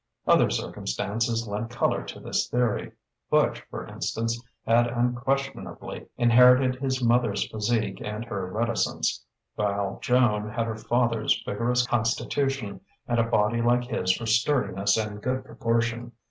Other circumstances lent colour to this theory: Butch, for instance, had unquestionably inherited his mother's physique and her reticence, while Joan had her father's vigorous constitution and a body like his for sturdiness and good proportion....